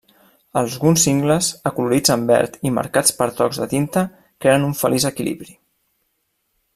Alguns cingles, acolorits en verd i marcats per tocs de tinta, creen un feliç equilibri.